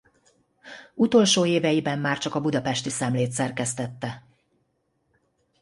Utolsó éveiben már csak a Budapesti Szemlét szerkesztette.